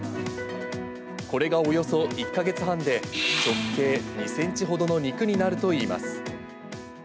これがおよそ１か月半で、直径２センチほどの肉になるといいます。